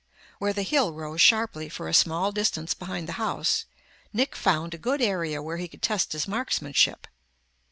Where the hill rose sharply for a small distance behind the house, Nick found a good area where he could test his marksmanship.